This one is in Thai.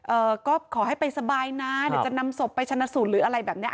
เอ่อก็ขอให้ไปสบายนะเดี๋ยวจะนำศพไปชนะสูตรหรืออะไรแบบเนี้ย